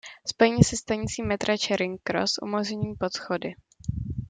Spojení se stanicí metra Charing Cross umožňují podchody.